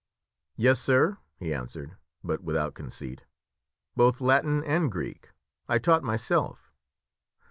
"Yes, sir," he answered, but without conceit, "both Latin and Greek. I taught myself.